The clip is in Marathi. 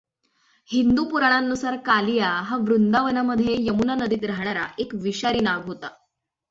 हिंदू पुराणांनुसार कालिया हा वृंदावनामध्ये यमुना नदीत राहणारा एक विषारी नाग होता.